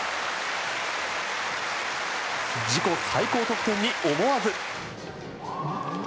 自己最高得点に思わず。